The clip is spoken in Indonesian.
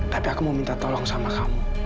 tapi aku mau minta tolong sama kamu